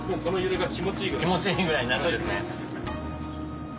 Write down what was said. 気持ちいいぐらいになるんですね。